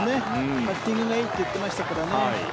パッティングがいいと言ってましたからね。